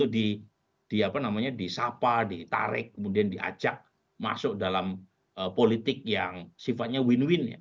tapi ada yang berdua kan untuk disapa ditarik kemudian diajak masuk dalam politik yang sifatnya win win